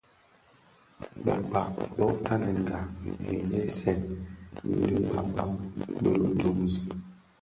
Bekpag bo tanenga di nhyesen bi dhikpaň bi duńzi.